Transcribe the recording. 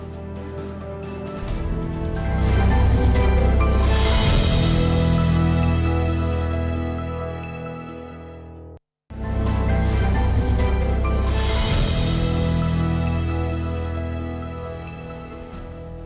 di kepala publik